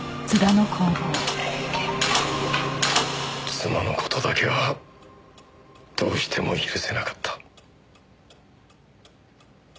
妻の事だけはどうしても許せなかった。